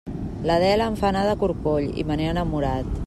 L'Adela em fa anar de corcoll i me n'he enamorat.